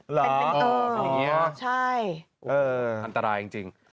เหรออย่างนี้หรอใช่อันตรายจริง